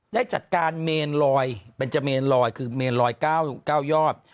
ได้จัดการเมลลลอยเบนเจ้าเมลลอยคือเมลลลอยก้าวยอด